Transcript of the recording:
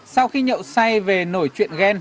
sau khi nhậu sạch